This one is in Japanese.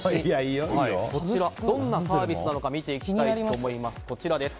どんなサービスか見ていきたいと思います。